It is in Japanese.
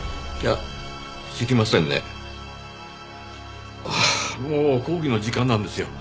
ああもう講義の時間なんですよ。